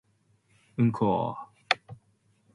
うんこ